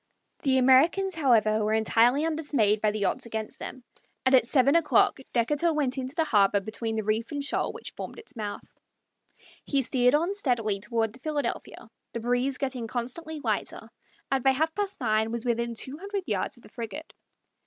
The Americans, however, were entirely undismayed by the odds against them, and at seven o'clock Decatur went into the harbor between the reef and shoal which formed its mouth. He steered on steadily toward the Philadelphia, the breeze getting constantly lighter, and by half past nine was within two hundred yards of the frigate.